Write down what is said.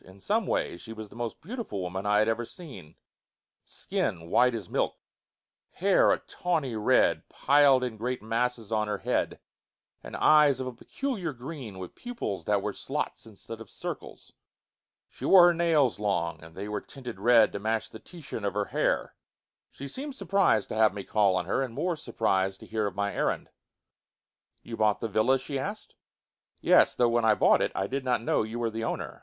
In some ways she was the most beautiful woman that I had ever seen: skin white as milk, hair a tawny red, piled in great masses on her head, and eyes of a peculiar green, with pupils that were slots instead of circles. She wore her nails long, and they were tinted red to match the Titian of her hair. She seemed surprized to have me call on her, and more surprized to hear of my errand. "You bought the villa?" she asked. "Yes. Though, when I bought it, I did not know that you were the owner.